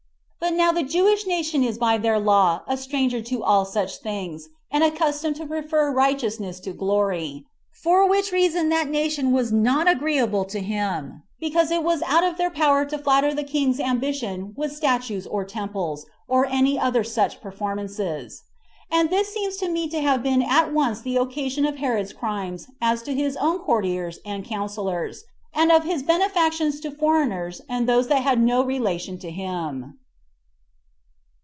But now the Jewish nation is by their law a stranger to all such things, and accustomed to prefer righteousness to glory; for which reason that nation was not agreeable to him, because it was out of their power to flatter the king's ambition with statues or temples, or any other such performances; And this seems to me to have been at once the occasion of Herod's crimes as to his own courtiers and counselors, and of his benefactions as to foreigners and those that had no relation to him.